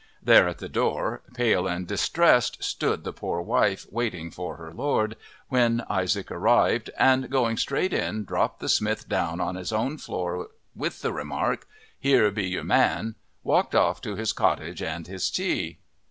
There at the door, pale and distressed, stood the poor wife waiting for her lord, when Isaac arrived, and going straight in dropped the smith down on his own floor, and with the remark, "Here be your man," walked off to his cottage and his tea.